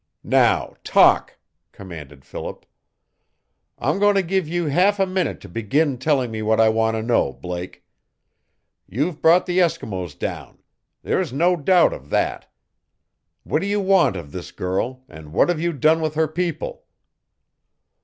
"Now talk!" commanded Philip. "I'm going to give you half a minute to begin telling me what I want to know, Blake. You've brought the Eskimos down. There's no doubt of that. What do you want of this girl, and what have you done with her people?"